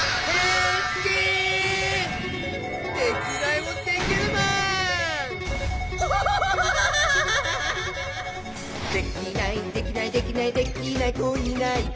「できないできないできないできない子いないか」